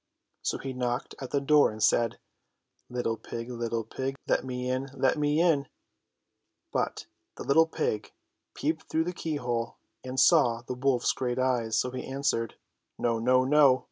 So he knocked at the door and said :*' Little pig! Little pig! Let me in! Let me in!" But the little pig peeped through the keyhole and saw the wolf's great eyes, so he answered : No! No! No!